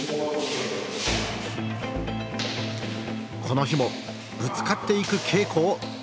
この日もぶつかっていく稽古を続けていた。